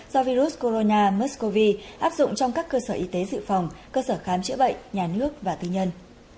do virus corona áp dụng trong các cơ sở y tế dự phòng cơ sở khám chữa bệnh nhà nước và tư nhân